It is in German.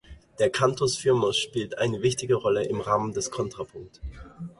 Der Cantus firmus spielt eine wichtige Rolle im Rahmen des Kontrapunkt.